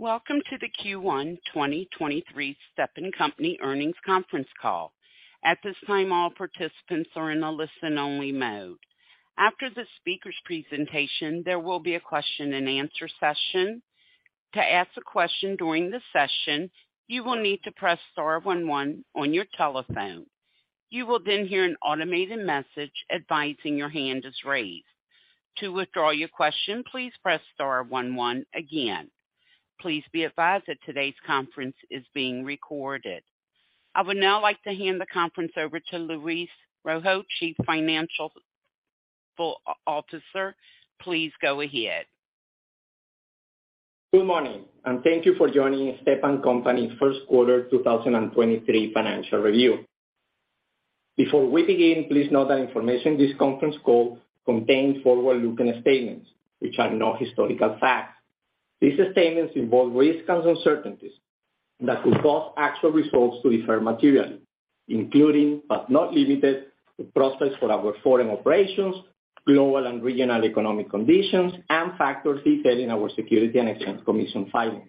Welcome to the Q1 2023 Stepan Company Earnings Conference Call. At this time, all participants are in a listen-only mode. After the speaker's presentation, there will be a question-and-answer session. To ask a question during the session, you will need to press star one one on your telephone. You will then hear an automated message advising your hand is raised. To withdraw your question, please press star one one again. Please be advised that today's conference is being recorded. I would now like to hand the conference over to Luis Rojo, Chief Financial Officer. Please go ahead. Good morning, thank you for joining Stepan Company first quarter 2023 financial review. Before we begin, please note that information in this conference call contains forward-looking statements which are not historical facts. These statements involve risks and uncertainties that could cause actual results to differ materially, including, but not limited to prospects for our foreign operations, global and regional economic conditions, and factors detailed in our Securities and Exchange Commission filings.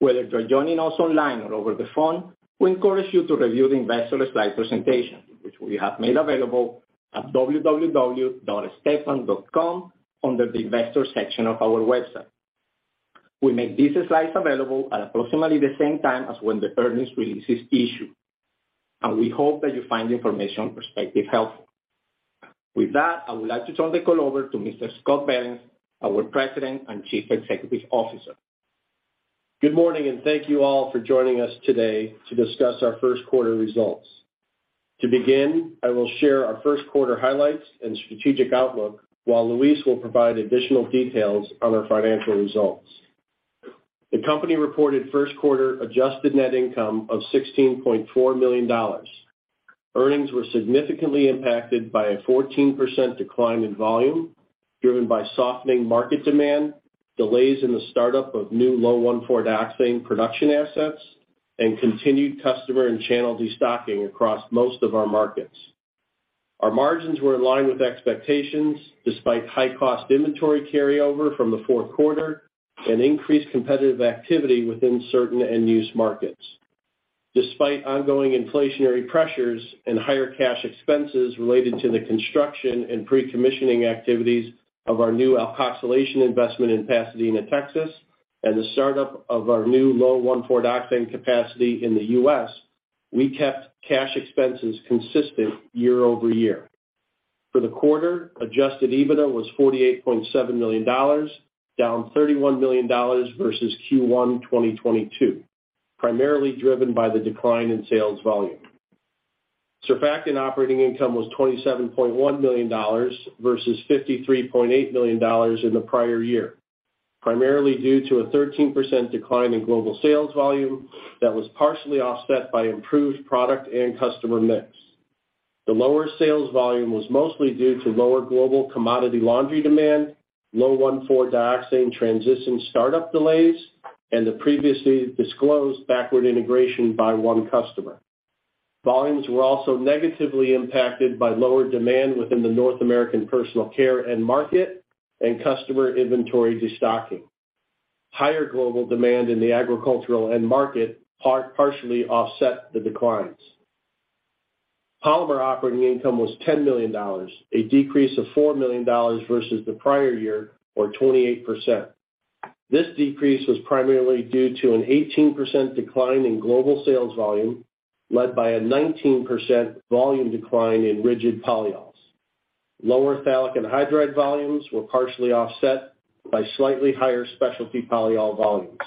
Whether you're joining us online or over the phone, we encourage you to review the investor slide presentation, which we have made available at www.stepan.com under the Investor section of our website. We make these slides available at approximately the same time as when the earnings release is issued, and we hope that you find the information perspective helpful. With that, I would like to turn the call over to Mr. Scott Behrens, our President and Chief Executive Officer. Good morning. Thank you all for joining us today to discuss our first quarter results. To begin, I will share our first quarter highlights and strategic outlook, while Luis will provide additional details on our financial results. The company reported first quarter adjusted net income of $16.4 million. Earnings were significantly impacted by a 14% decline in volume, driven by softening market demand, delays in the startup of new low 1,4-dioxane production assets, and continued customer and channel destocking across most of our markets. Our margins were in line with expectations despite high cost inventory carryover from the fourth quarter and increased competitive activity within certain end-use markets. Despite ongoing inflationary pressures and higher cash expenses related to the construction and pre-commissioning activities of our new alkoxylation investment in Pasadena, Texas, as a startup of our new low 1,4-dioxane capacity in the U.S., we kept cash expenses consistent year-over-year. For the quarter, adjusted EBITDA was $48.7 million, down $31 million versus Q1 2022, primarily driven by the decline in sales volume. Surfactant operating income was $27.1 million versus $53.8 million in the prior year, primarily due to a 13% decline in global sales volume that was partially offset by improved product and customer mix. The lower sales volume was mostly due to lower global commodity laundry demand, low 1,4-dioxane transition startup delays, and the previously disclosed backward integration by one customer. Volumes were also negatively impacted by lower demand within the North American personal care end market and customer inventory destocking. Higher global demand in the agricultural end market partially offset the declines. Polymer operating income was $10 million, a decrease of $4 million versus the prior year or 28%. This decrease was primarily due to an 18% decline in global sales volume, led by a 19% volume decline in rigid polyols. Lower phthalic anhydride volumes were partially offset by slightly higher specialty polyols volumes.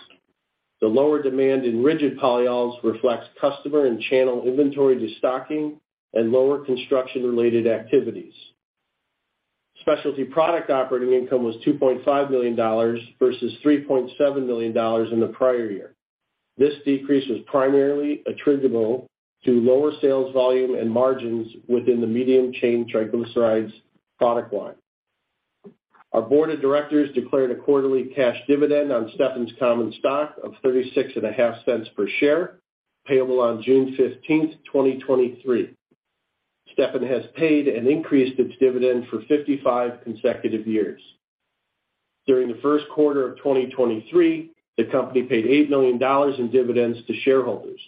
The lower demand in rigid polyols reflects customer and channel inventory destocking and lower construction-related activities. Specialty Products operating income was $2.5 million versus $3.7 million in the prior year. This decrease was primarily attributable to lower sales volume and margins within the medium-chain triglycerides product line. Our board of directors declared a quarterly cash dividend on Stepan's common stock of thirty-six and a half cents per share, payable on June 15th, 2023. Stepan has paid and increased its dividend for 55 consecutive years. During the 1st quarter of 2023, the company paid $8 million in dividends to shareholders.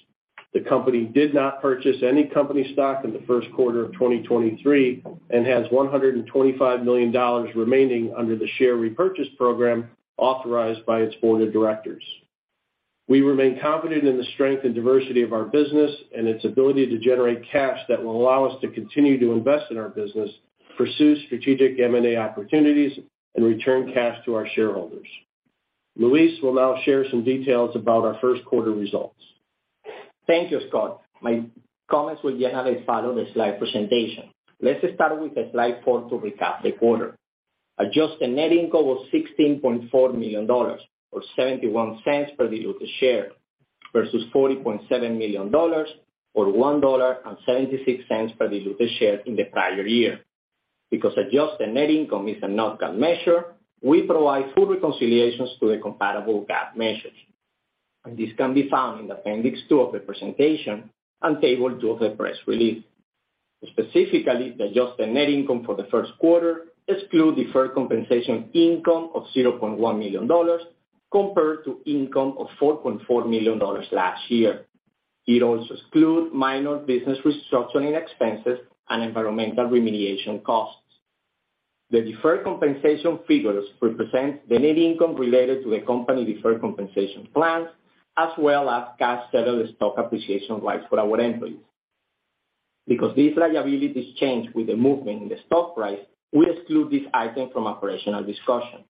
The company did not purchase any company stock in the 1st quarter of 2023 and has $125 million remaining under the share repurchase program authorized by its board of directors. We remain confident in the strength and diversity of our business and its ability to generate cash that will allow us to continue to invest in our business, pursue strategic M&A opportunities, and return cash to our shareholders. Luis will now share some details about our 1st quarter results. Thank you, Scott. My comments will be as follow the slide presentation. Let's start with the Slide 4 to recap the quarter. adjusted net income was $16.4 million or $0.71 per diluted share versus $40.7 million or $1.76 per diluted share in the prior year. Because adjusted net income is an non-GAAP measure, we provide full reconciliations to the compatible GAAP measures. This can be found in Appendix II of the presentation and table 2 of the press release. Specifically, the adjusted net income for the first quarter exclude deferred compensation income of $0.1 million compared to income of $4.4 million last year. It also exclude minor business restructuring expenses and environmental remediation costs. The deferred compensation figures represent the net income related to the company deferred compensation plans, as well as cash settled stock appreciation rights for our employees. Because these liabilities change with the movement in the stock price, we exclude this item from operational discussion.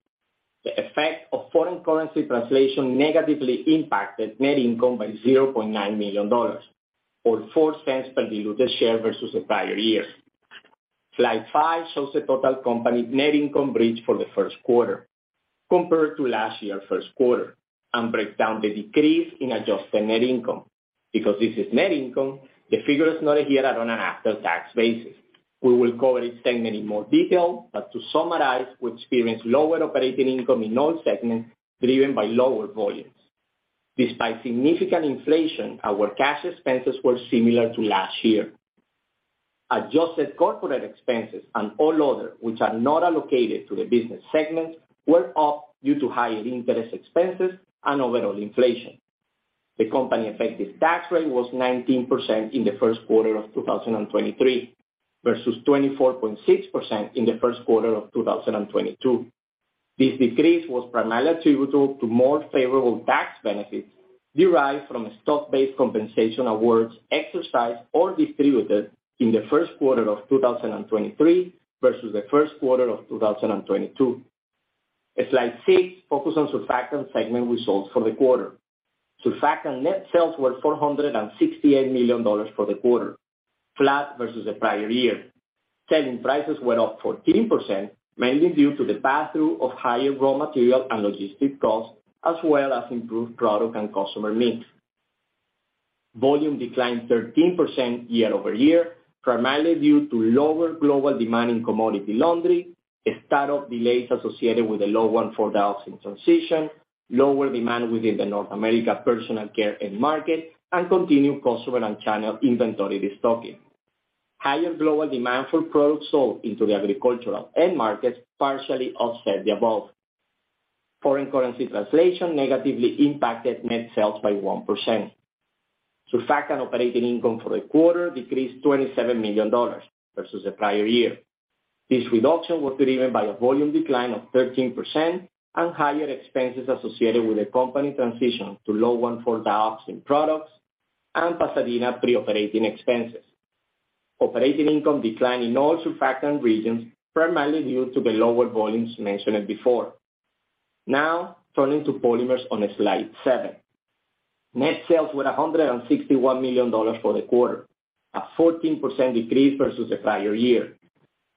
The effect of foreign currency translation negatively impacted net income by $0.9 million or $0.04 per diluted share versus the prior year. Slide 5 shows the total company net income bridge for the 1st quarter compared to last year 1st quarter and break down the decrease in adjusted net income. Because this is net income, the figures noted here are on an after-tax basis. We will cover each segment in more detail, but to summarize, we experienced lower operating income in all segments, driven by lower volumes. Despite significant inflation, our cash expenses were similar to last year. Adjusted corporate expenses and all other, which are not allocated to the business segments, were up due to higher interest expenses and overall inflation. The company effective tax rate was 19% in the first quarter of 2023 versus 24.6% in the first quarter of 2022. This decrease was primarily attributable to more favorable tax benefits derived from stock-based compensation awards exercised or distributed in the first quarter of 2023 versus the first quarter of 2022. Slide 6 focuses on Surfactant segment results for the quarter. Surfactant net sales were $468 million for the quarter, flat versus the prior year. Selling prices were up 14%, mainly due to the pass-through of higher raw material and logistics costs, as well as improved product and customer mix. Volume declined 13% year-over-year, primarily due to lower global demand in commodity laundry, start-up delays associated with the low 1,4-dioxane transition, lower demand within the North America personal care end market, and continued customer and channel inventory destocking. Higher global demand for products sold into the agricultural end markets partially offset the above. Foreign currency translation negatively impacted net sales by 1%. Surfactant operating income for the quarter decreased $27 million versus the prior year. This reduction was driven by a volume decline of 13% and higher expenses associated with the company transition to low 1,4-dioxane products and Pasadena pre-operating expenses. Operating income declined in all Surfactant regions, primarily due to the lower volumes mentioned before. Now turning to Polymers on Slide 7. Net sales were $161 million for the quarter, a 14% decrease versus the prior year.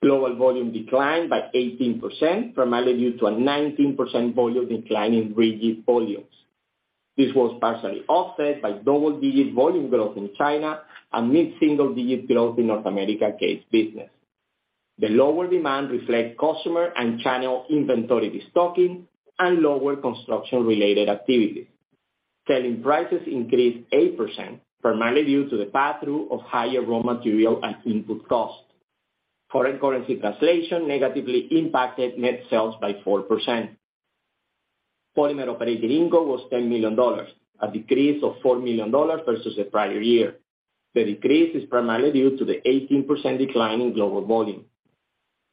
Global volume declined by 18%, primarily due to a 19% volume decline in rigid volumes. This was partially offset by double-digit volume growth in China and mid-single-digit growth in North America CASE business. The lower demand reflect customer and channel inventory destocking and lower construction-related activities. Selling prices increased 8%, primarily due to the passthrough of higher raw material and input costs. Foreign currency translation negatively impacted net sales by 4%. Polymer operating income was $10 million, a decrease of $4 million versus the prior year. The decrease is primarily due to the 18% decline in global volume.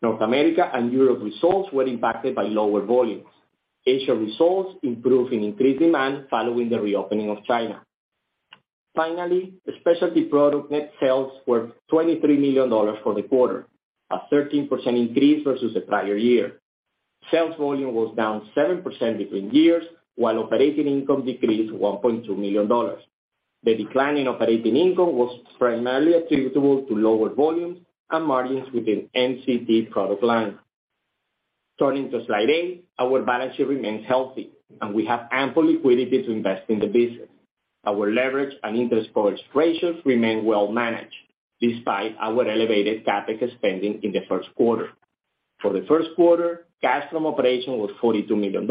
North America and Europe results were impacted by lower volumes. Asia results improved in increased demand following the reopening of China. Finally, the Specialty Products net sales were $23 million for the quarter, a 13% increase versus the prior year. Sales volume was down 7% between years, while operating income decreased $1.2 million. The decline in operating income was primarily attributable to lower volumes and margins within MCT product line. Turning to Slide 8, our balance sheet remains healthy, and we have ample liquidity to invest in the business. Our leverage and interest coverage ratios remain well managed despite our elevated CapEx spending in the first quarter. For the first quarter, cash from operation was $42 million,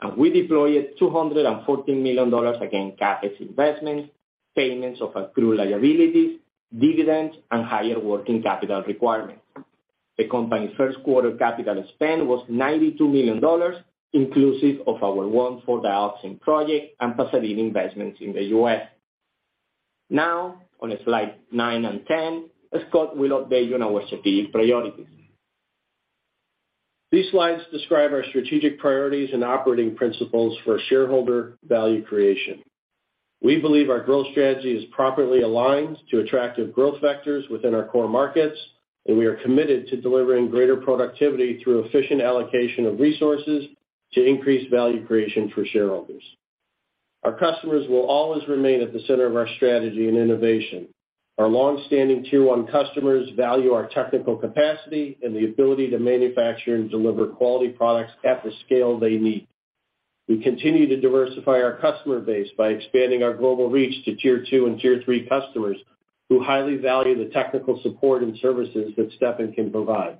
and we deployed $214 million against CapEx investments, payments of accrued liabilities, dividends, and higher working capital requirements. The company's first quarter capital spend was $92 million, inclusive of our 1,4-dioxane project and Pasadena investments in the U.S. On Slide 9 and 10, Scott will update you on our strategic priorities. These slides describe our strategic priorities and operating principles for shareholder value creation. We believe our growth strategy is properly aligned to attractive growth vectors within our core markets, and we are committed to delivering greater productivity through efficient allocation of resources to increase value creation for shareholders. Our customers will always remain at the center of our strategy and innovation. Our long-standing tier one customers value our technical capacity and the ability to manufacture and deliver quality products at the scale they need. We continue to diversify our customer base by expanding our global reach to tier two and tier three customers who highly value the technical support and services that Stepan can provide.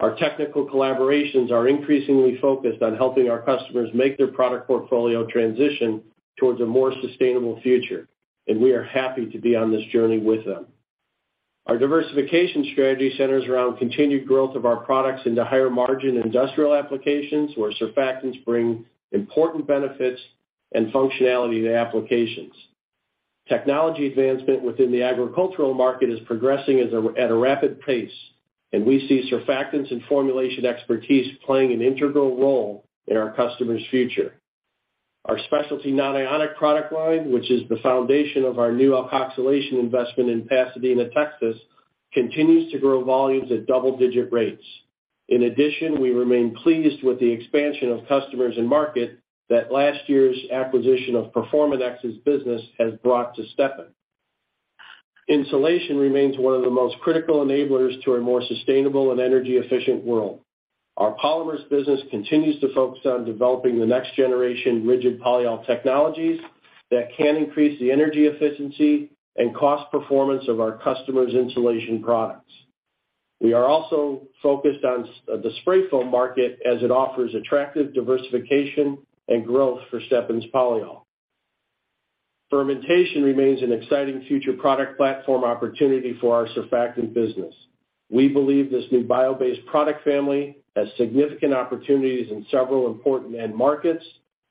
Our technical collaborations are increasingly focused on helping our customers make their product portfolio transition towards a more sustainable future, and we are happy to be on this journey with them. Our diversification strategy centers around continued growth of our products into higher margin industrial applications where surfactants bring important benefits and functionality to applications. Technology advancement within the agricultural market is progressing at a rapid pace, and we see surfactants and formulation expertise playing an integral role in our customers' future. Our specialty nonionic product line, which is the foundation of our new alkoxylation investment in Pasadena, Texas, continues to grow volumes at double-digit rates. In addition, we remain pleased with the expansion of customers and market that last year's acquisition of PerformanX's business has brought to Stepan. Insulation remains one of the most critical enablers to a more sustainable and energy-efficient world. Our polymers business continues to focus on developing the next generation Rigid Polyol technologies that can increase the energy efficiency and cost performance of our customers' insulation products. We are also focused on the spray foam market as it offers attractive diversification and growth for Stepan's polyol. Fermentation remains an exciting future product platform opportunity for our surfactant business. We believe this new bio-based product family has significant opportunities in several important end markets,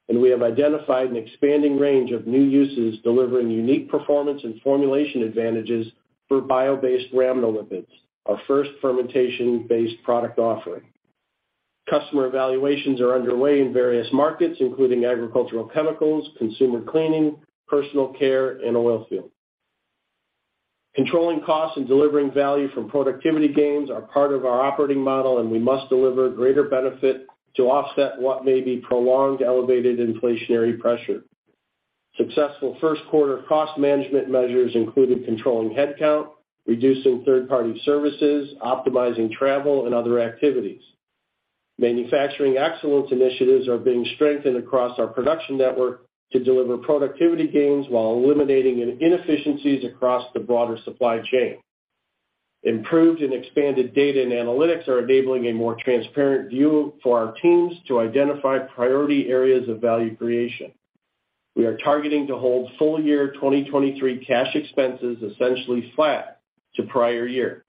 and we have identified an expanding range of new uses delivering unique performance and formulation advantages for bio-based rhamnolipids, our first fermentation-based product offering. Customer evaluations are underway in various markets, including agricultural chemicals, consumer cleaning, personal care, and oil field. Controlling costs and delivering value from productivity gains are part of our operating model, and we must deliver greater benefit to offset what may be prolonged elevated inflationary pressure. Successful first quarter cost management measures included controlling headcount, reducing third-party services, optimizing travel, and other activities. Manufacturing excellence initiatives are being strengthened across our production network to deliver productivity gains while eliminating inefficiencies across the broader supply chain. Improved and expanded data and analytics are enabling a more transparent view for our teams to identify priority areas of value creation. We are targeting to hold full year 2023 cash expenses essentially flat to prior year.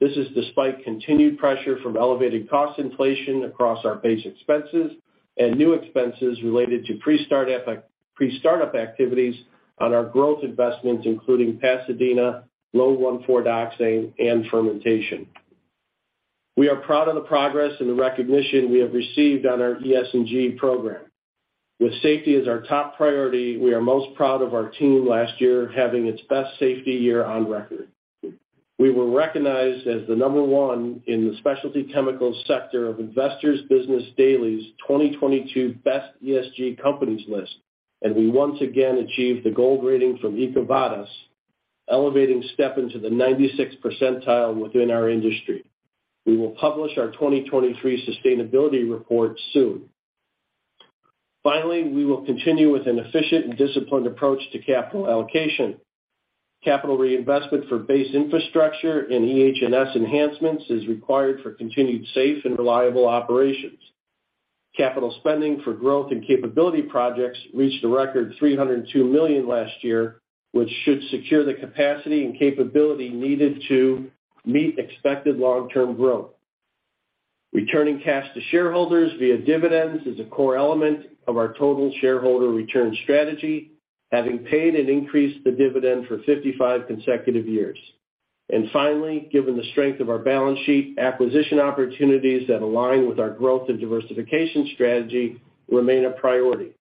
This is despite continued pressure from elevated cost inflation across our base expenses and new expenses related to pre-startup activities on our growth investments, including Pasadena, low 1,4-dioxane and fermentation. We are proud of the progress and the recognition we have received on our ESG program. With safety as our top priority, we are most proud of our team last year having its best safety year on record. We were recognized as the number 1 in the specialty chemicals sector of Investor's Business Daily's 2022 Best ESG Companies list, and we once again achieved the gold rating from EcoVadis, elevating Stepan to the 96 percentile within our industry. We will publish our 2023 sustainability report soon. Finally, we will continue with an efficient and disciplined approach to capital allocation. Capital reinvestment for base infrastructure and EH&S enhancements is required for continued safe and reliable operations. Capital spending for growth and capability projects reached a record $302 million last year, which should secure the capacity and capability needed to meet expected long-term growth. Returning cash to shareholders via dividends is a core element of our total shareholder return strategy, having paid and increased the dividend for 55 consecutive years. Finally, given the strength of our balance sheet, acquisition opportunities that align with our growth and diversification strategy remain a priority.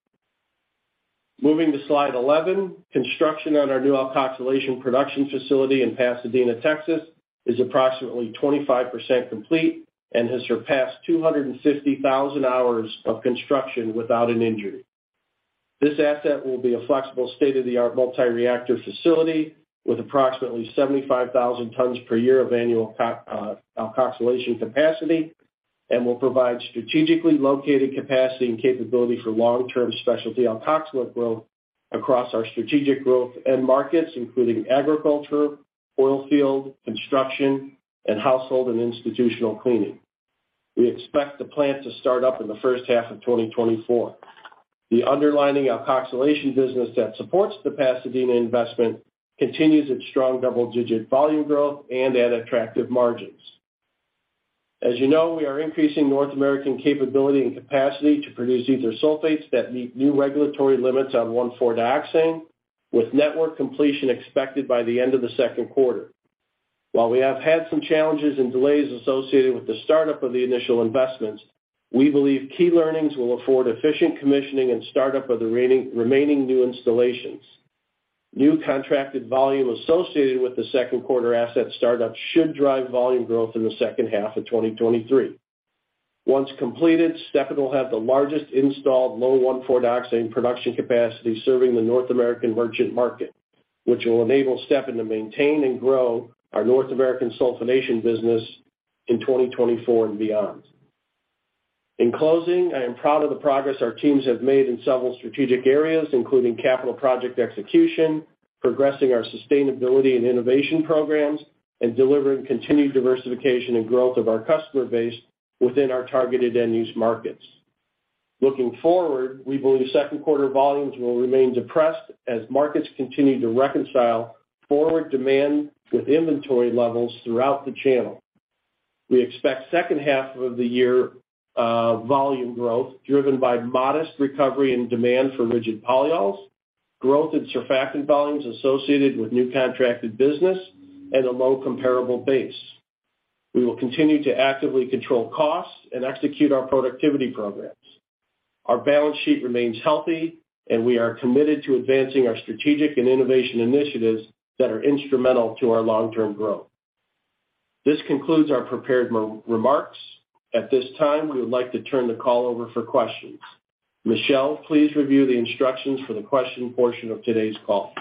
Moving to Slide 11, construction on our new alkoxylation production facility in Pasadena, Texas, is approximately 25% complete and has surpassed 250,000 hours of construction without an injury. This asset will be a flexible state-of-the-art multi-reactor facility with approximately 75,000 tons per year of annual alkoxylation capacity and will provide strategically located capacity and capability for long-term specialty alkoxylate growth across our strategic growth end markets, including agriculture, oil field, construction, and household and institutional cleaning. We expect the plant to start up in the first half of 2024. The underlying alkoxylation business that supports the Pasadena investment continues its strong double-digit volume growth and at attractive margins. As you know, we are increasing North American capability and capacity to produce ether sulfates that meet new regulatory limits on 1,4-dioxane, with network completion expected by the end of the second quarter. While we have had some challenges and delays associated with the startup of the initial investments, we believe key learnings will afford efficient commissioning and startup of the remaining new installations. New contracted volume associated with the second quarter asset startup should drive volume growth in the second half of 2023. Once completed, Stepan will have the largest installed low 1,4-dioxane production capacity serving the North American merchant market, which will enable Stepan to maintain and grow our North American sulfonation business in 2024 and beyond. In closing, I am proud of the progress our teams have made in several strategic areas, including capital project execution, progressing our sustainability and innovation programs, and delivering continued diversification and growth of our customer base within our targeted end-use markets. Looking forward, we believe second quarter volumes will remain depressed as markets continue to reconcile forward demand with inventory levels throughout the channel. We expect second half of the year volume growth driven by modest recovery and demand for rigid polyols, growth in surfactant volumes associated with new contracted business and a low comparable base. We will continue to actively control costs and execute our productivity programs. Our balance sheet remains healthy. We are committed to advancing our strategic and innovation initiatives that are instrumental to our long-term growth. This concludes our prepared remarks. At this time, we would like to turn the call over for questions. Michelle, please review the instructions for the question portion of today's call.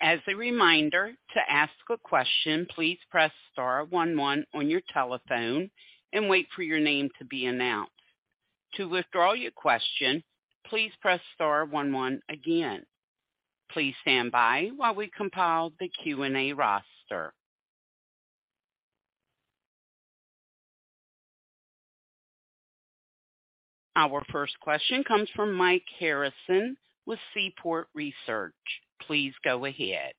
As a reminder, to ask a question, please press star one one on your telephone and wait for your name to be announced. To withdraw your question, please press star one one again. Please stand by while we compile the Q&A roster. Our first question comes from Mike Harrison with Seaport Research. Please go ahead.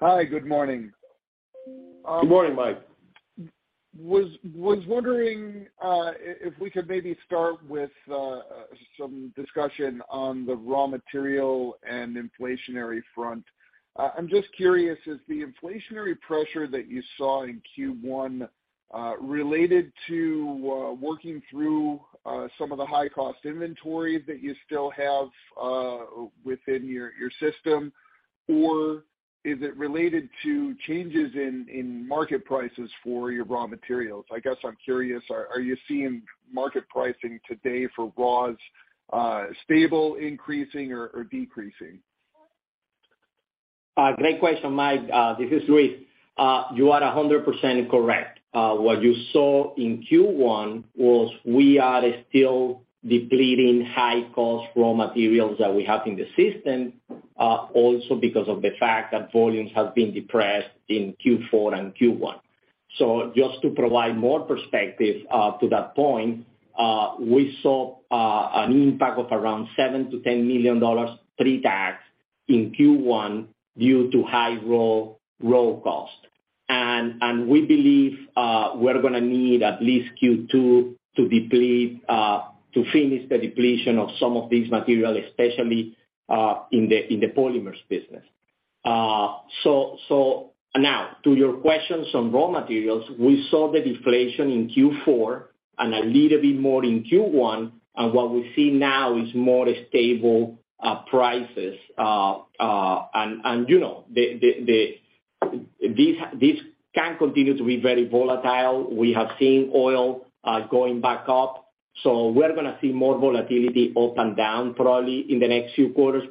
Hi. Good morning. Good morning, Mike. Was wondering if we could maybe start with some discussion on the raw material and inflationary front. I'm just curious, is the inflationary pressure that you saw in Q1 related to working through some of the high cost inventory that you still have within your system, or is it related to changes in market prices for your raw materials? I guess I'm curious, are you seeing market pricing today for raws stable, increasing or decreasing? Great question, Mike. This is Luis. You are 100% correct. What you saw in Q1 was we are still depleting high cost raw materials that we have in the system, also because of the fact that volumes have been depressed in Q4 and Q1. So just to provide more perspective to that point, we saw an impact of around $7 million-$10 million pre-tax in Q1 due to high raw costs. And we believe we're going to need at least Q2 to deplete to finish the depletion of some of these materials, especially in the polymers business. So now to your questions on raw materials, we saw the deflation in Q4 and a little bit more in Q1, and what we see now is more stable prices. you know, this can continue to be very volatile. We have seen oil going back up, so we're gonna see more volatility up and down probably in the next few quarters.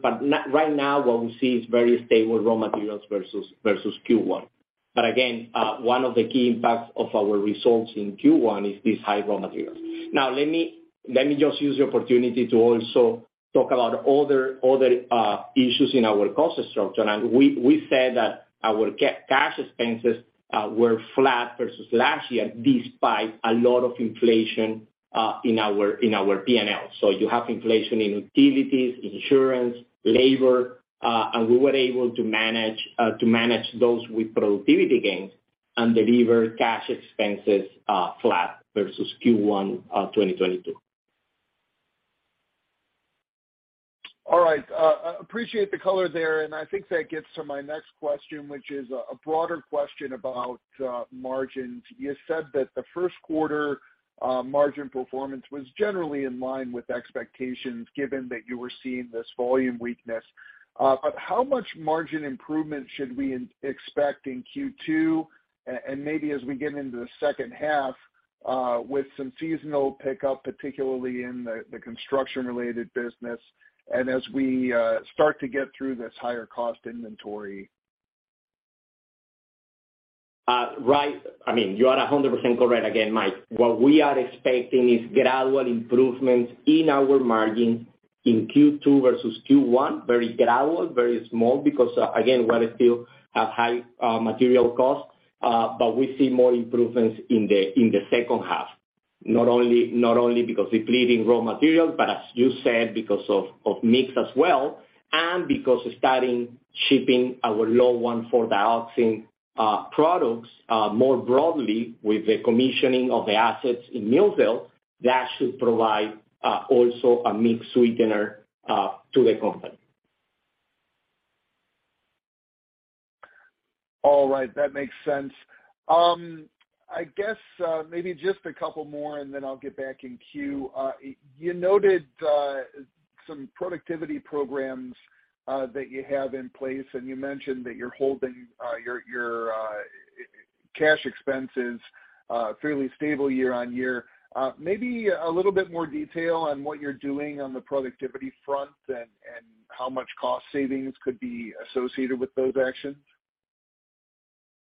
Right now, what we see is very stable raw materials versus Q1. Again, one of the key impacts of our results in Q1 is these high raw materials. Let me just use the opportunity to also talk about other issues in our cost structure. We said that our cash expenses were flat versus last year despite a lot of inflation in our P&L. You have inflation in utilities, insurance, labor, and we were able to manage those with productivity gains and deliver cash expenses flat versus Q1 2022. All right. Appreciate the color there. I think that gets to my next question, which is a broader question about margins. You said that the first quarter margin performance was generally in line with expectations given that you were seeing this volume weakness. How much margin improvement should we expect in Q2 and maybe as we get into the second half, with some seasonal pickup, particularly in the construction-related business and as we start to get through this higher cost inventory? Right. I mean, you are 100% correct again, Mike. What we are expecting is gradual improvements in our margin in Q2 versus Q1. Very gradual, very small, because again, we are still at high material costs. We see more improvements in the second half, not only because depleting raw materials, but as you said, because of mix as well, and because starting shipping our low-1,4-dioxane products more broadly with the commissioning of the assets in Millsdale, that should provide also a mix sweetener to the company. All right. That makes sense. I guess, maybe just a couple more and then I'll get back in queue. You noted, some productivity programs, that you have in place, and you mentioned that you're holding, your cash expenses, fairly stable year-on-year. Maybe a little bit more detail on what you're doing on the productivity front. How much cost savings could be associated with those actions?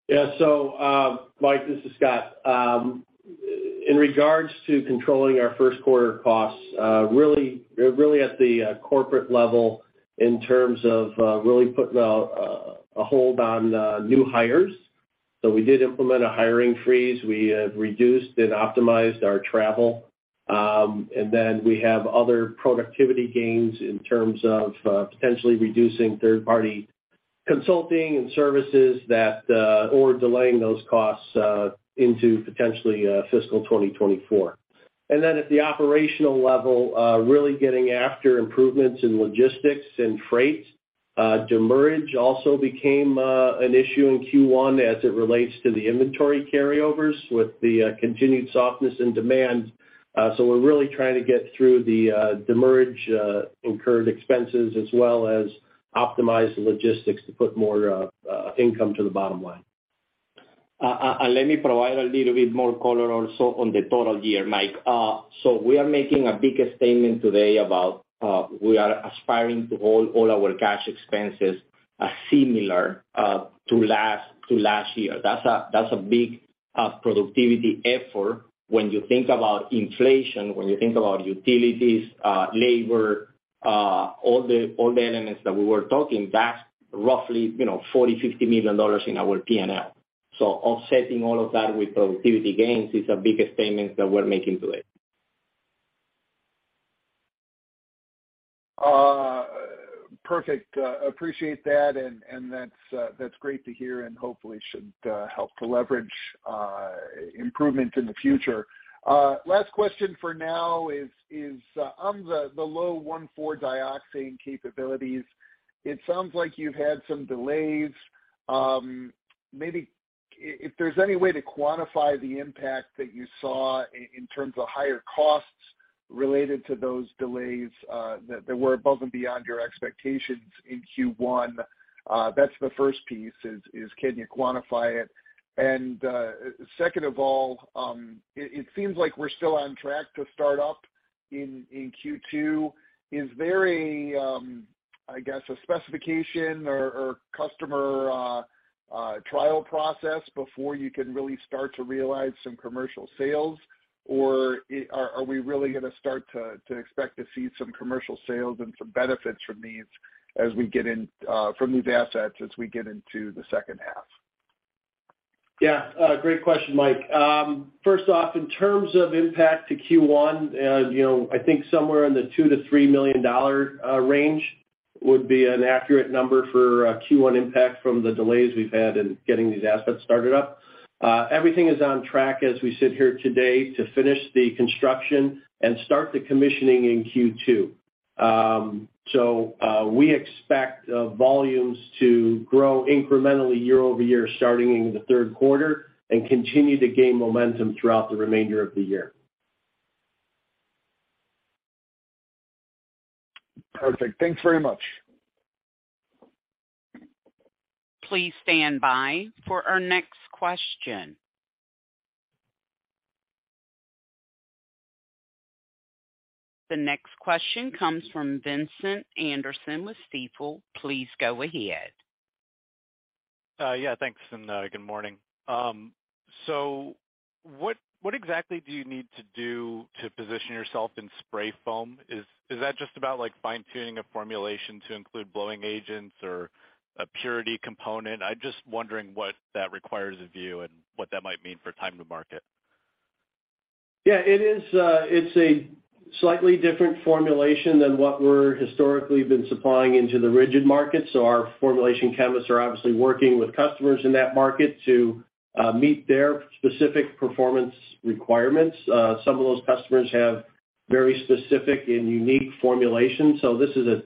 Mike, this is Scott. In regards to controlling our first quarter costs, really at the corporate level in terms of, really putting a hold on, new hires. We did implement a hiring freeze. We have reduced and optimized our travel. We have other productivity gains in terms of, potentially reducing third-party consulting and services that, or delaying those costs, into potentially, fiscal 2024. At the operational level, really getting after improvements in logistics and freight. Demurrage also became an issue in Q1 as it relates to the inventory carryovers with the continued softness and demand. We're really trying to get through the demurrage incurred expenses as well as optimize the logistics to put more income to the bottom line. Let me provide a little bit more color also on the total year, Mike. We are making a big statement today about we are aspiring to hold all our cash expenses similar to last year. That's a big productivity effort when you think about inflation, when you think about utilities, labor, all the elements that we were talking, that's roughly, you know, $40 million-$50 million in our P&L. Offsetting all of that with productivity gains is a big statement that we're making today. Perfect. Appreciate that, and that's great to hear, and hopefully should help to leverage improvement in the future. Last question for now is, on the low 1,4-dioxane capabilities, it sounds like you've had some delays. Maybe if there's any way to quantify the impact that you saw in terms of higher costs related to those delays that were above and beyond your expectations in Q1. That's the first piece is, can you quantify it? Second of all, it seems like we're still on track to start up in Q2. Is there a, I guess a specification or customer trial process before you can really start to realize some commercial sales? Are we really gonna start to expect to see some commercial sales and some benefits from these as we get in from these assets as we get into the second half? Great question, Mike. First off, in terms of impact to Q1, you know, I think somewhere in the $2 million-$3 million range would be an accurate number for Q1 impact from the delays we've had in getting these assets started up. Everything is on track as we sit here today to finish the construction and start the commissioning in Q2. We expect volumes to grow incrementally year-over-year starting in the third quarter and continue to gain momentum throughout the remainder of the year. Perfect. Thanks very much. Please stand by for our next question. The next question comes from Vincent Anderson with Stifel. Please go ahead. Yeah, thanks, good morning. What exactly do you need to do to position yourself in spray foam? Is that just about like fine-tuning a formulation to include blowing agents or a purity component? I'm just wondering what that requires of you and what that might mean for time to market. Yeah, it is, it's a slightly different formulation than what we're historically been supplying into the rigid market. Our formulation chemists are obviously working with customers in that market to meet their specific performance requirements. Some of those customers have very specific and unique formulations. This is a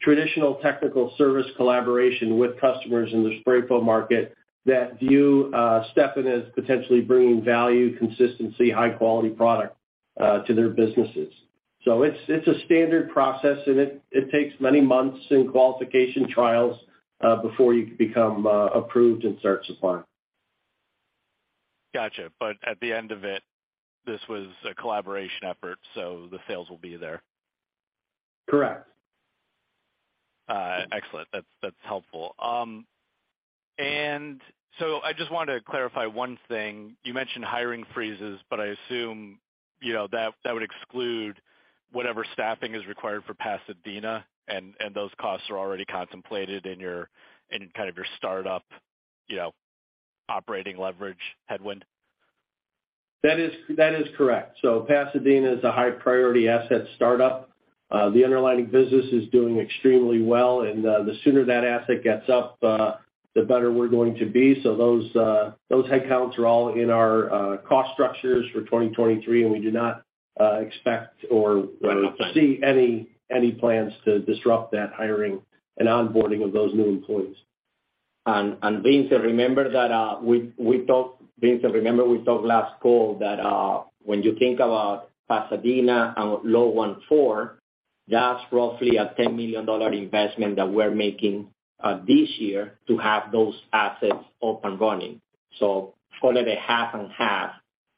traditional technical service collaboration with customers in the spray foam market that view Stepan as potentially bringing value, consistency, high quality product, to their businesses. It's, it's a standard process, and it takes many months in qualification trials, before you can become approved and start supplying. Gotcha. At the end of it, this was a collaboration effort, so the sales will be there. Correct. Excellent. That's helpful. I just wanted to clarify one thing. You mentioned hiring freezes, but I assume, you know, that would exclude whatever staffing is required for Pasadena, and those costs are already contemplated in your kind of your startup, you know, operating leverage headwind. That is correct. Pasadena is a high priority asset startup. The underlying business is doing extremely well, and the sooner that asset gets up, the better we're going to be. Those headcounts are all in our cost structures for 2023, and we do not expect or see any plans to disrupt that hiring and onboarding of those new employees. Vincent, remember we talked last call that when you think about Pasadena and low 1,4, that's roughly a $10 million investment that we're making this year to have those assets up and running. Call it a half and half.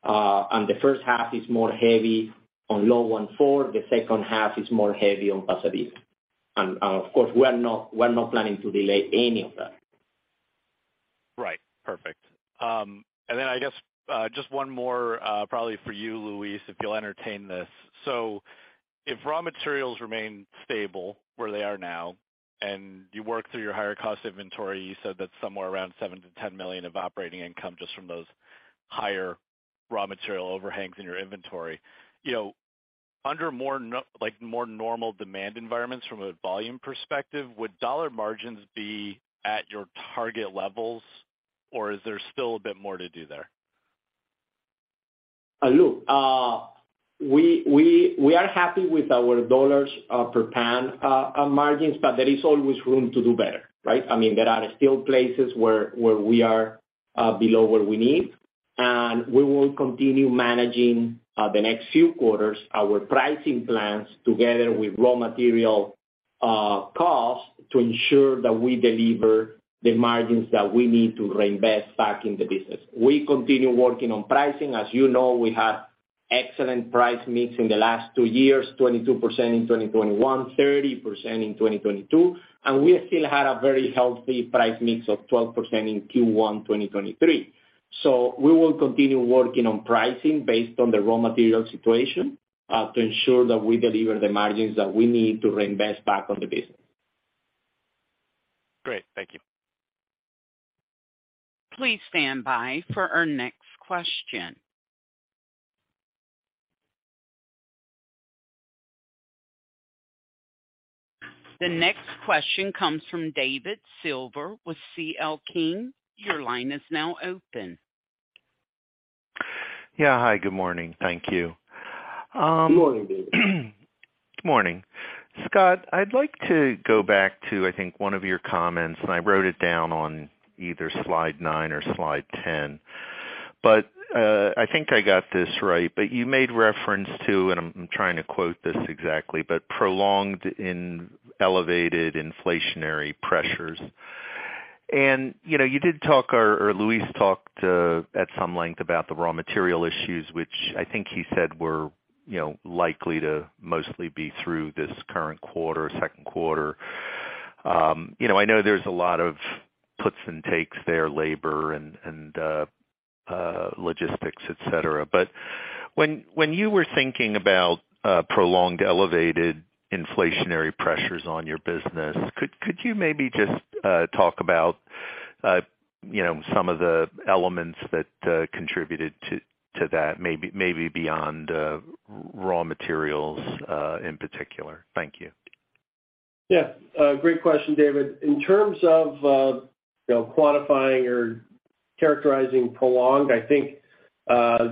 On the first half is more heavy on low 1,4, the second half is more heavy on Pasadena. Of course, we're not planning to delay any of that. Right. Perfect. I guess, just one more, probably for you, Luis, if you'll entertain this. If raw materials remain stable where they are now and you work through your higher cost inventory, you said that somewhere around $7 million-$10 million of operating income just from those higher raw material overhangs in your inventory. You know, under like more normal demand environments from a volume perspective, would dollar margins be at your target levels or is there still a bit more to do there? Look, we are happy with our $ per pound margins, but there is always room to do better, right? I mean, there are still places where we are below what we need, and we will continue managing the next few quarters our pricing plans together with raw material costs to ensure that we deliver the margins that we need to reinvest back in the business. We continue working on pricing. As you know, we had excellent price mix in the last 2 years, 22% in 2021, 30% in 2022, and we still had a very healthy price mix of 12% in Q1 2023. We will continue working on pricing based on the raw material situation to ensure that we deliver the margins that we need to reinvest back on the business. Great. Thank you. Please stand by for our next question. The next question comes from David Silver with C.L. King. Your line is now open. Yeah. Hi, good morning. Thank you. Good morning, David. Good morning. Scott, I'd like to go back to, I think, one of your comments, and I wrote it down on either Slide 9 or Slide 10, but I think I got this right. You made reference to, and I'm trying to quote this exactly, but prolonged in elevated inflationary pressures. You know, you did talk or Luis talked at some length about the raw material issues, which I think he said were, you know, likely to mostly be through this current quarter, second quarter. You know, I know there's a lot of puts and takes there, labor and logistics, et cetera. When you were thinking about prolonged elevated inflationary pressures on your business, could you maybe just talk about, you know, some of the elements that contributed to that maybe beyond raw materials in particular? Thank you. Great question, David. In terms of, you know, quantifying or characterizing prolonged, I think,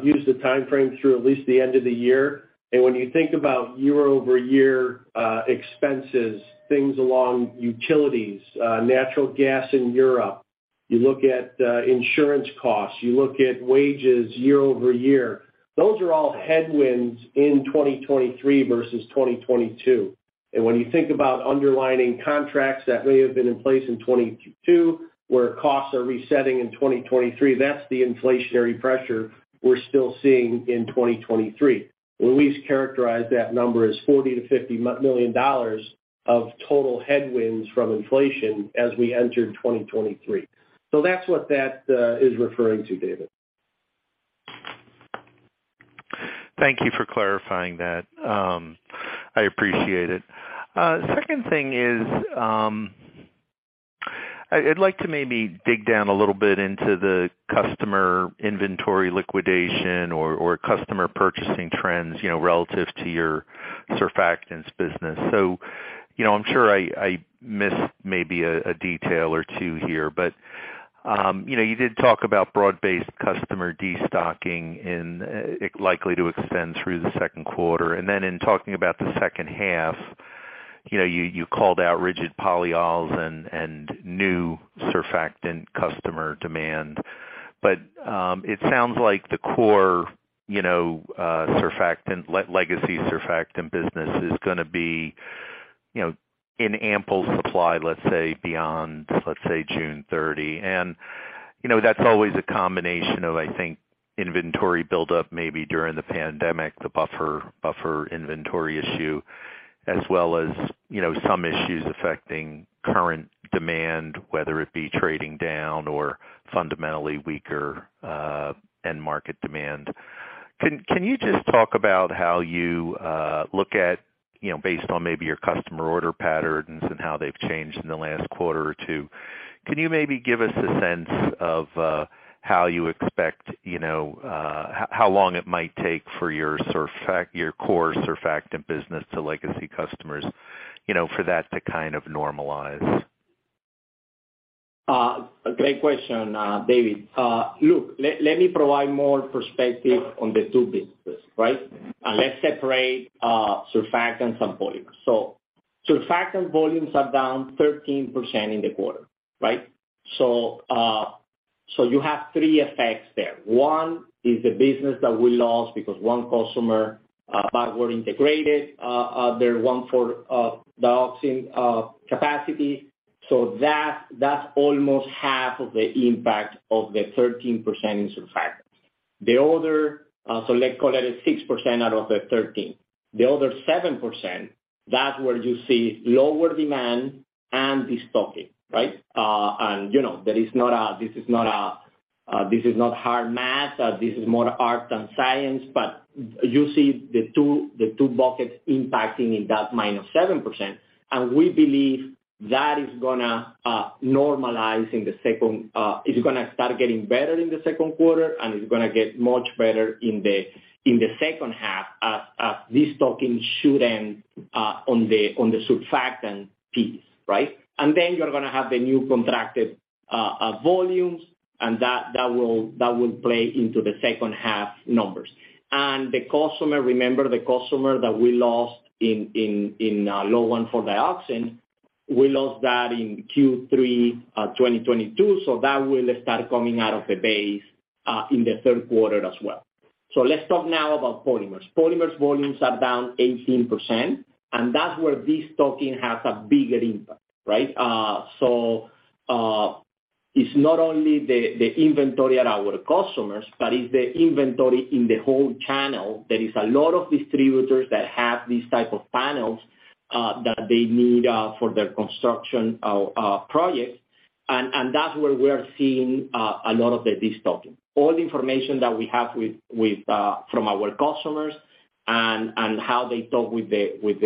use the timeframe through at least the end of the year. When you think about year-over-year expenses, things along utilities, natural gas in Europe, you look at insurance costs, you look at wages year-over-year. Those are all headwinds in 2023 versus 2022. When you think about underlying contracts that may have been in place in 2022, where costs are resetting in 2023, that's the inflationary pressure we're still seeing in 2023. Luis characterized that number as $40 million-$50 million of total headwinds from inflation as we entered 2023. That's what that is referring to, David. Thank you for clarifying that. I appreciate it. Second thing is, I'd like to maybe dig down a little bit into the customer inventory liquidation or customer purchasing trends, you know, relative to your surfactants business. You know, I'm sure I missed maybe a detail or two here, but, you know, you did talk about broad-based customer destocking and it likely to extend through the second quarter. In talking about the second half, you know, you called out rigid polyols and new surfactant customer demand. It sounds like the core, you know, surfactant, legacy surfactant business is gonna be, you know, in ample supply, let's say beyond, let's say June 30. You know, that's always a combination of, I think, inventory buildup maybe during the pandemic, the buffer inventory issue, as well as, you know, some issues affecting current demand, whether it be trading down or fundamentally weaker and market demand. Can you just talk about how you know, based on maybe your customer order patterns and how they've changed in the last quarter or two? Can you maybe give us a sense of, how you expect, you know, how long it might take for your core surfactant business to legacy customers, you know, for that to kind of normalize? Great question, David. Look, let me provide more perspective on the two businesses, right. Let's separate, surfactants and polymers. Surfactant volumes are down 13% in the quarter, right. You have three effects there. One is the business that we lost because one customer, backward integrated, their 1,4-dioxane capacity. So that's almost half of the impact of the 13% in surfactants. The other, so let's call it a 6% out of the 13. The other 7%, that's where you see lower demand and destocking, right. And, you know, that is not hard math. This is more art than science. You see the two, the two buckets impacting in that -7%. We believe that is gonna normalize in the second quarter, and it's gonna get much better in the second half as destocking should end on the surfactant piece, right? You're gonna have the new contracted volumes, and that will play into the second half numbers. The customer, remember the customer that we lost in low 1,4-dioxane, we lost that in Q3 2022, that will start coming out of the base in the third quarter as well. Let's talk now about polymers. Polymers volumes are down 18%, that's where destocking has a bigger impact, right? It's not only the inventory at our customers, but it's the inventory in the whole channel. There is a lot of distributors that have these type of panels that they need for their construction projects. That's where we're seeing a lot of the destocking. All the information that we have with from our customers and how they talk with the with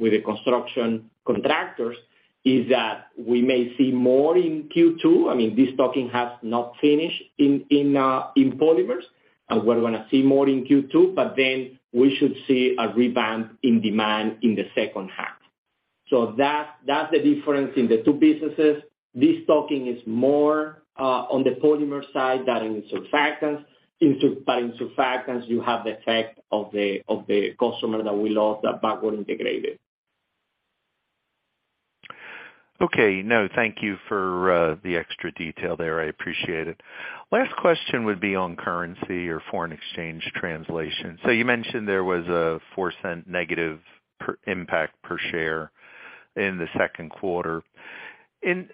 the construction contractors is that we may see more in Q2. I mean, destocking has not finished in in polymers, and we're gonna see more in Q2. We should see a rebound in demand in the second half. That's the difference in the two businesses. Destocking is more on the polymer side than in surfactants. But in surfactants, you have the effect of the customer that we lost that backward integrated. Okay. No, thank you for the extra detail there. I appreciate it. Last question would be on currency or foreign exchange translation. You mentioned there was a $0.04 negative impact per share in the second quarter. In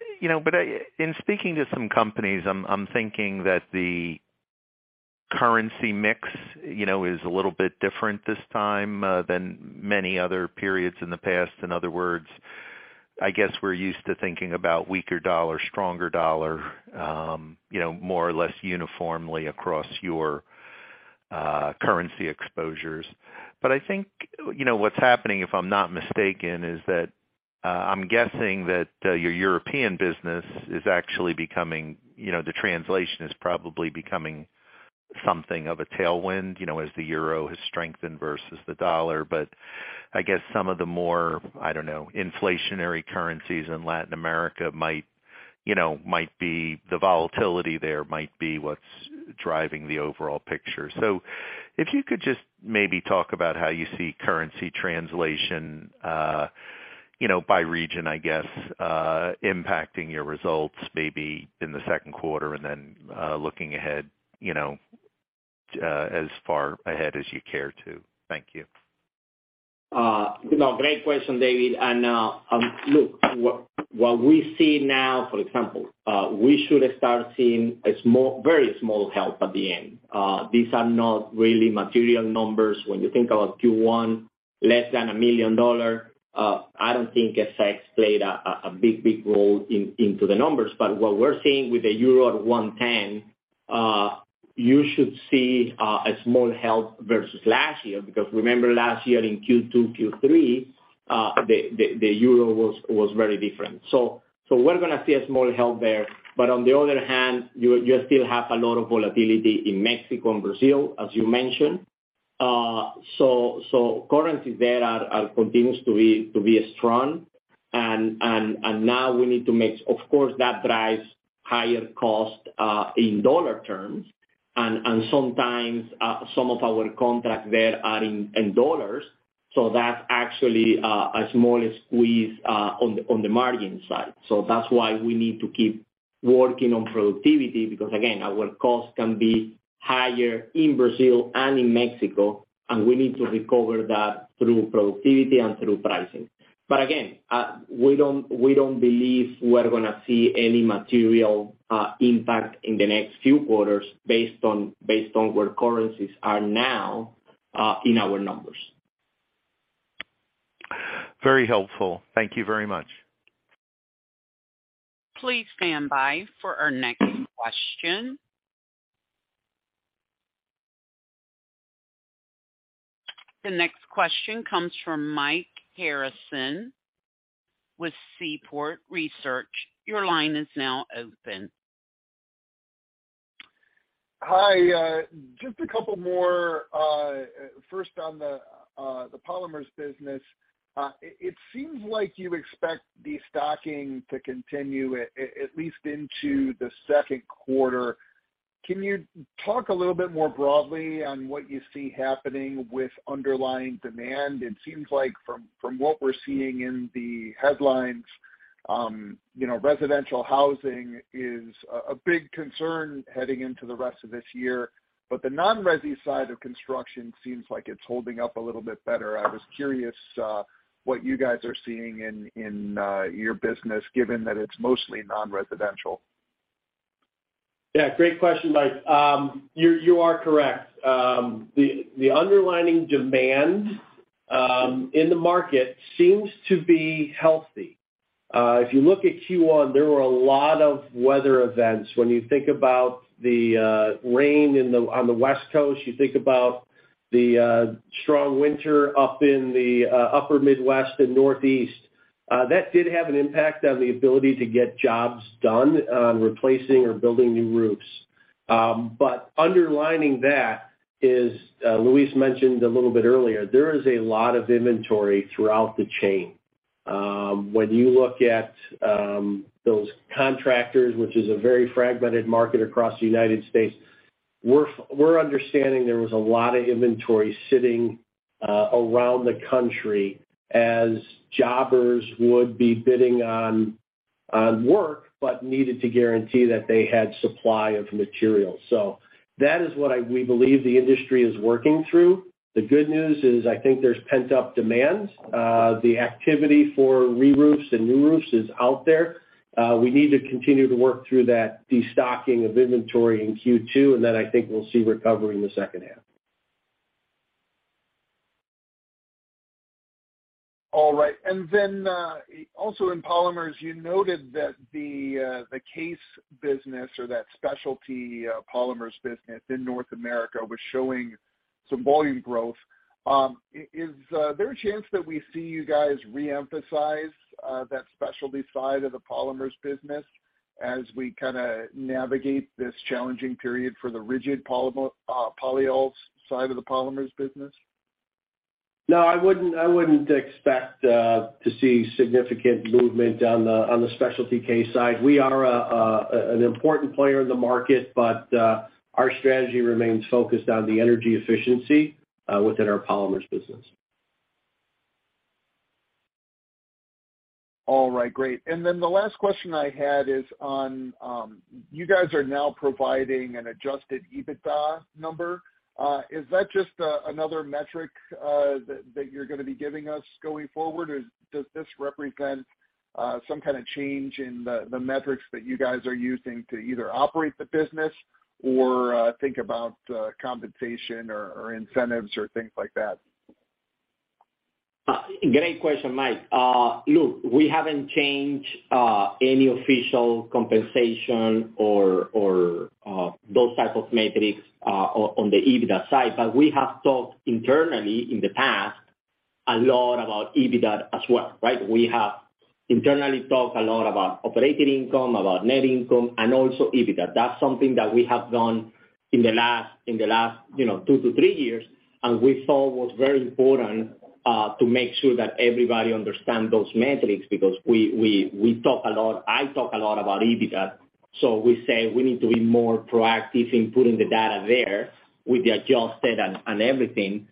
speaking to some companies, I'm thinking that the currency mix, you know, is a little bit different this time than many other periods in the past. In other words, I guess we're used to thinking about weaker dollar, stronger dollar, you know, more or less uniformly across your currency exposures. I think, you know, what's happening, if I'm not mistaken, is that I'm guessing that your European business is actually becoming, you know, the translation is probably becoming something of a tailwind, you know, as the euro has strengthened versus the dollar. I guess some of the more, I don't know, inflationary currencies in Latin America might, you know, might be the volatility there might be what's driving the overall picture. If you could just maybe talk about how you see currency translation, you know, by region, I guess, impacting your results maybe in the second quarter and then, looking ahead, you know, as far ahead as you care to. Thank you. You know, great question, David. Look, what we see now, for example, we should start seeing a small, very small help at the end. These are not really material numbers. When you think about Q1, less than $1 million, I don't think FX played a big role into the numbers. What we're seeing with the Euro at 1.10, you should see a small help versus last year, because remember last year in Q2, Q3, the Euro was very different. We're gonna see a small help there. On the other hand, you still have a lot of volatility in Mexico and Brazil, as you mentioned. Currencies there are continues to be strong. Now we need to make... Of course, that drives higher cost, in dollar terms, and sometimes, some of our contracts there are in dollars, so that's actually a small squeeze on the margin side. That's why we need to keep working on productivity, because again, our costs can be higher in Brazil and in Mexico, and we need to recover that through productivity and through pricing. Again, we don't believe we're gonna see any material impact in the next few quarters based on where currencies are now, in our numbers. Very helpful. Thank you very much. Please stand by for our next question. The next question comes from Mike Harrison with Seaport Research. Your line is now open. Hi. Just a couple more. First on the polymers business. It seems like you expect destocking to continue at least into the second quarter. Can you talk a little bit more broadly on what you see happening with underlying demand? It seems like from what we're seeing in the headlines, you know, residential housing is a big concern heading into the rest of this year, but the non-resi side of construction seems like it's holding up a little bit better. I was curious what you guys are seeing in your business, given that it's mostly non-residential. Yeah, great question, Mike. you're, you are correct. The underlying demand in the market seems to be healthy. If you look at Q1, there were a lot of weather events. When you think about the rain in the on the West Coast, you think about the strong winter up in the upper Midwest and Northeast, that did have an impact on the ability to get jobs done on replacing or building new roofs. Underlying that is, Luis mentioned a little bit earlier, there is a lot of inventory throughout the chain. When you look at those contractors, which is a very fragmented market across the United States, we're understanding there was a lot of inventory sitting around the country as jobbers would be bidding on work, but needed to guarantee that they had supply of materials. That is what we believe the industry is working through. The good news is I think there's pent-up demand. The activity for re-roofs and new roofs is out there. We need to continue to work through that destocking of inventory in Q2, I think we'll see recovery in the second half. Right. Then, also in polymers, you noted that the CASE business or that Specialty polymers business in North America was showing some volume growth. Is there a chance that we see you guys reemphasize that Specialty side of the polymers business as we kinda navigate this challenging period for the rigid polyols side of the polymers business? No, I wouldn't, I wouldn't expect to see significant movement on the, on the Specialty CASE side. We are an important player in the market, but our strategy remains focused on the energy efficiency within our polymers business. All right, great. Then the last question I had is on, you guys are now providing an adjusted EBITDA number. Is that just another metric that you're gonna be giving us going forward or does this represent some kinda change in the metrics that you guys are using to either operate the business or think about compensation or incentives or things like that? Great question, Mike. Look, we haven't changed any official compensation or those type of metrics on the EBITDA side. We have talked internally in the past a lot about EBITDA as well, right? We have internally talked a lot about operating income, about net income, and also EBITDA. That's something that we have done in the last, you know, 2 to 3 years, and we thought was very important to make sure that everybody understand those metrics because we talk a lot, I talk a lot about EBITDA, we say we need to be more proactive in putting the data there with the adjusted and everything.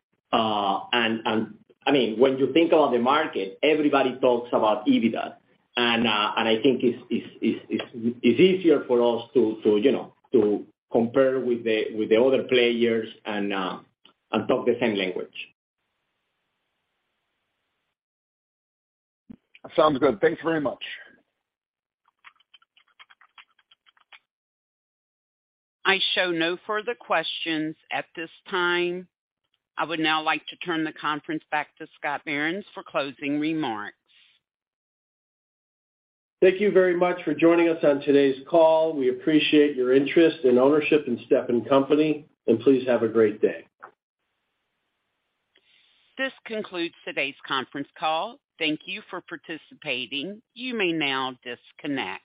I mean, when you think about the market, everybody talks about EBITDA. I think it's easier for us to, you know, to compare with the other players and talk the same language. Sounds good. Thanks very much. I show no further questions at this time. I would now like to turn the conference back to Scott Behrens for closing remarks. Thank you very much for joining us on today's call. We appreciate your interest and ownership in Stepan Company, and please have a great day. This concludes today's conference call. Thank you for participating. You may now disconnect.